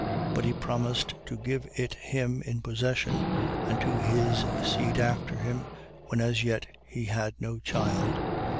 But he promised to give it him in possession, and to his seed after him, when as yet he had no child.